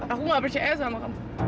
aku gak percaya sama kamu